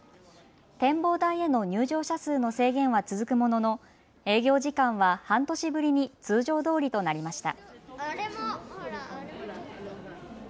展望台への入場者数の制限は続くものの営業時間は半年ぶりに通常どおりとなりました。